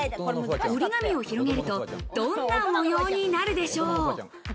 折り紙を広げると、どんな模様になるでしょう。